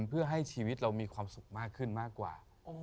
เพื่อให้ชีวิตเรามีความสุขมากขึ้นมากกว่า